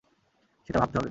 সেটা ভাবতে হবে।